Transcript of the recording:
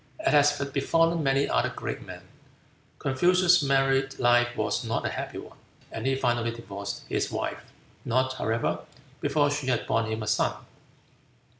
As has befallen many other great men, Confucius' married life was not a happy one, and he finally divorced his wife, not, however, before she had borne him a son.